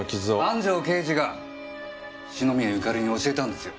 安城刑事が篠宮ゆかりに教えたんですよ。